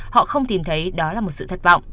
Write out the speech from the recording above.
họ không tìm thấy đó là một sự thất vọng